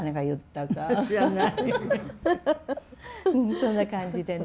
そんな感じでね。